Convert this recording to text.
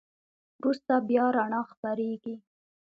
وروسته بیا رڼا خپرېږي.